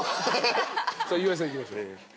さあ岩井さんいきましょう。